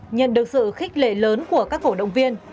nhận được sự khích lệ lớn của các cổ động viên